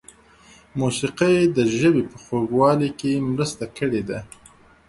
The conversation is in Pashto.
موسیقۍ د ژبې په خوږوالي کې مرسته کړې ده.